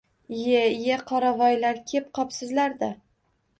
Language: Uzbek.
Iye-iye, qoravoylar, kep qopsizlar-da!